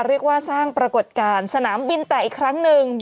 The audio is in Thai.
เรียกว่าสร้างปรากฏการณ์สนามบินแตกอีกครั้งหนึ่ง